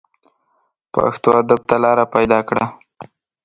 پښتو ادب ته لاره پیدا کړه